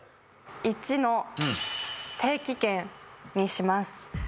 １の定期券にします